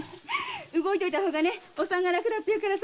動いておいた方がお産が楽だっていうから。